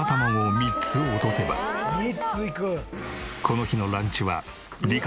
この日のランチは。